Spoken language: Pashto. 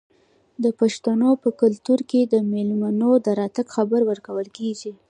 د پښتنو په کلتور کې د میلمه د راتګ خبر ورکول کیږي.